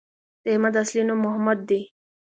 د احمد اصلی نوم محمود دی